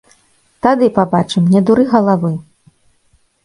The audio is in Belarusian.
Тады пабачым, не дуры галавы!